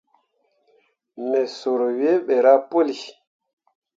Me sur wǝǝ ɓerah puli.